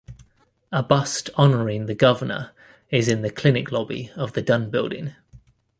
A bust honoring the governor is in the clinic lobby of the Dunn Building.